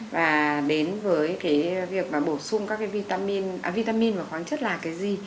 và đến với việc bổ sung các vitamin và khoáng chất là cái gì